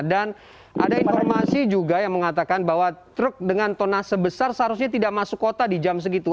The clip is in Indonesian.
dan ada informasi juga yang mengatakan bahwa truk dengan tonas sebesar seharusnya tidak masuk kota di jam segitu